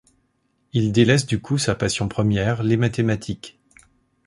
Il délaisse du coup sa passion première, les mathématiques.